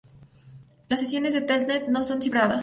Las sesiones de telnet no son cifradas.